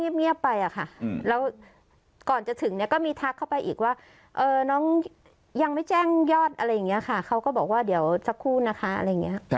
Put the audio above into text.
แล้วก่อนจะถึงเนี่ยก็มีทักเข้าไปอีกว่าน้องยังไม่แจ้งยอดอะไรอย่างนี้ค่ะเขาก็บอกว่าเดี๋ยวสักครู่นะคะอะไรอย่างนี้